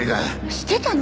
知ってたの？